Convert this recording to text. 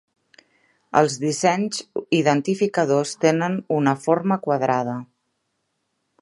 Els dissenys identificadors tenen una forma quadrada.